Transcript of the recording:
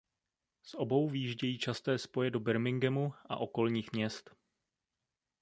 Z obou vyjíždějí časté spoje do Birminghamu a okolních měst.